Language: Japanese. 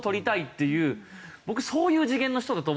僕そういう次元の人だと思うんですけど。